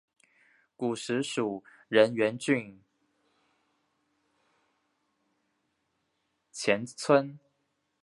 古时属荏原郡衾村。